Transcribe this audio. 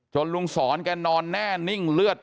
ลุงสอนแกนอนแน่นิ่งเลือด